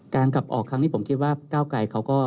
การกลับออกทางนี้ผมคิดว่าเก้าไกลเขาก็